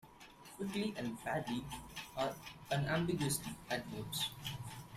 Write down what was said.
"Quickly" and "badly" are unambiguously adverbs.